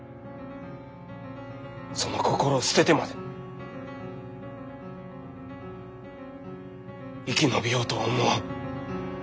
その心を捨ててまで生き延びようとは思わん。